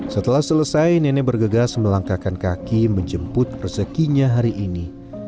setelah selesai nenek bergegas melangkahkan kaki menjemput rezekinya hari ini